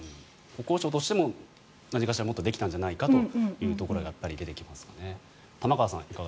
国交省としても何かしらもっとできたんじゃないかというところが出てきますよね。